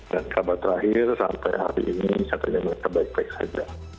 dan kapal terakhir sampai hari ini sampai dengan baik baik saja